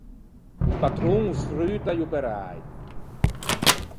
O patron o sfruta i operäi.